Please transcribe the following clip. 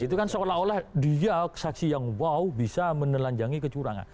itu kan seolah olah dia saksi yang wow bisa menelanjangi kecurangan